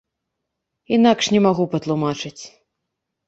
Інакш не магу патлумачыць.